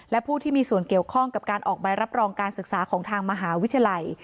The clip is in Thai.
และผู้ที่มีส่วนเกี่ยวข้องกับการออกใบรับรองการศึกษาของทางมหาวิทยาลัย